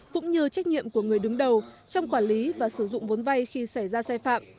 cũng như trách nhiệm của người đứng đầu trong quản lý và sử dụng vốn vay khi xảy ra sai phạm